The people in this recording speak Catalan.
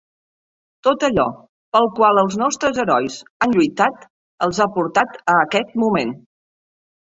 Tot allò pel qual els nostres herois han lluitat els ha portat a aquest moment.